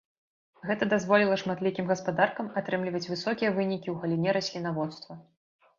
Гэта дазволіла шматлікім гаспадаркам атрымліваць высокія вынікі ў галіне раслінаводства.